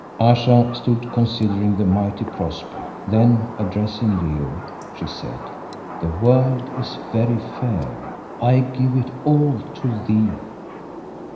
Ayesha stood considering the mighty prospect, then addressing Leo, she said "The world is very fair; I give it all to thee."